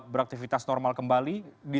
beraktivitas normal kembali di